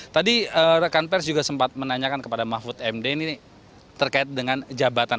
tadi rekan pers juga sempat menanyakan kepada mahfud md ini terkait dengan jabatan